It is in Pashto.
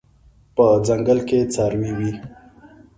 په ځنګل کې څاروي وي